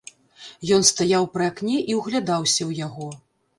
Ён стаяў пры акне і ўглядаўся ў яго.